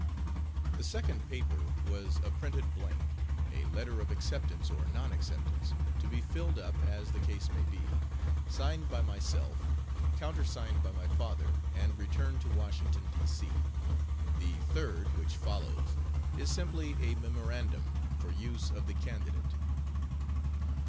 The second paper was a printed blank, a letter of acceptance or non acceptance, to be filled up, as the case may be, signed by myself, countersigned by my father, and returned to Washington, D. C. The third, which follows, is simply a memorandum for use of the candidate.